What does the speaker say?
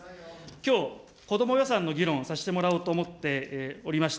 きょう子ども予算の議論をさせてもらおうと思っておりました。